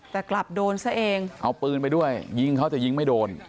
แต่กลับโดนซะเองเอาปืนไปด้วยยิงเขาแต่ยิงไม่โดน